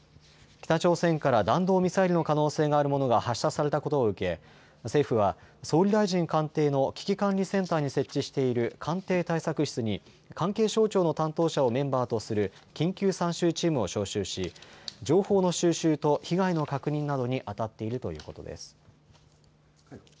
北朝鮮から弾道ミサイルの可能性があるものが発射されたことを受け政府は総理大臣官邸の危機管理センターに設置している官邸対策室に関係省庁の担当者をメンバーとする緊急参集チームを招集し、情報の収集と被害の確認などにあたっているということです。